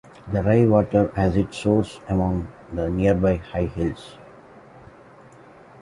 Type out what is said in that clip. The Rye Water has its source among the nearby high hills.